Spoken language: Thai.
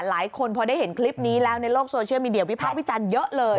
หลายคนพอได้เห็นคลิปนี้แล้วในโลกโซเชียลมีเดียวพี่พรรดิพี่จันทร์เยอะเลย